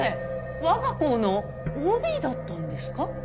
我が校のＯＢだったんですか？